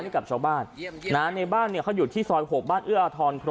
ให้กับชาวบ้านนะในบ้านเนี่ยเขาอยู่ที่ซอย๖บ้านเอื้ออาทร